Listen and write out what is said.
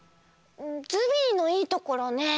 ズビーのいいところねぇ。